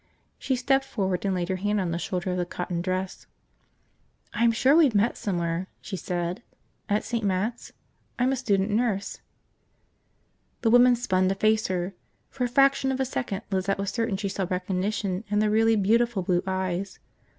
She stepped forward and laid her hand on the shoulder of the cotton dress. "I'm sure we've met somewhere," she said. "At St. Matt's? I'm a student nurse." The woman spun to face her. For a fraction of a second Lizette was certain she saw recognition in the really beautiful blue eyes.